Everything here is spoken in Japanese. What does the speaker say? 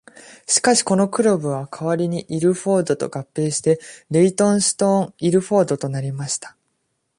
しかし、このクラブは代わりにイルフォードと合併してレイトンストーン・イルフォードとなりました。